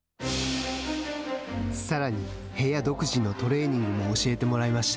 さらに、部屋独自のトレーニングも教えてもらいました。